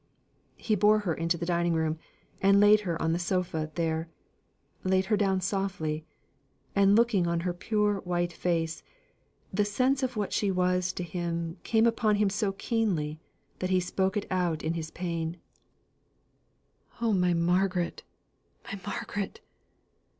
He bore her into the dining room, and laid her on the sofa there; laid her down softly, and looking on her pure white face, the sense of what she was to him came upon him so keenly that he spoke it out in his pain: "Oh, my Margaret my Margaret!